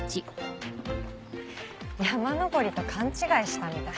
山登りと勘違いしたみたい。